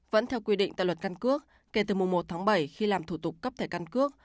vẫn theo quy định tại luật căn cước kể từ mùa một tháng bảy khi làm thủ tục cấp thẻ căn cước